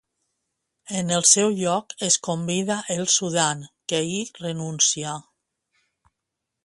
En el seu lloc, es convidà el Sudan, que hi renuncià.